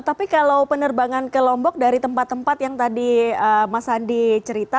tapi kalau penerbangan ke lombok dari tempat tempat yang tadi mas andi cerita